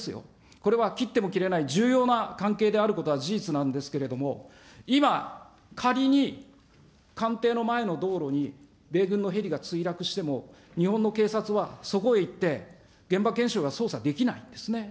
これは切っても切れない重要な関係であることは事実なんですけれども、今、仮に官邸の前の道路に米軍のヘリが墜落しても、日本の警察はそこへ行って現場検証が、捜査できないんですね。